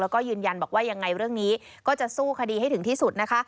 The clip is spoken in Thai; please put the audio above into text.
แล้วก็ยืนยันบอกว่ายังไงเรื่องนี้ก็จะสู้คดีให้ถึงที่สุดนะคะ